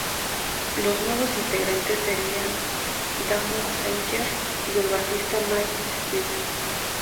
Los nuevos integrantes serían Damon Sawyer y el bajista Mike Steed.